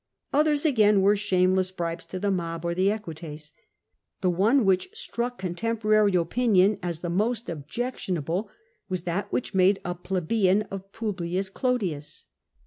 Others again were shameless bribes to the mob or the Equites. The one which struck contemporary opinion as the most objectionable was that which made a plebeian of Publius Olodius.